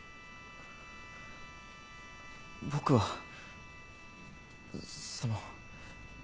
僕はその。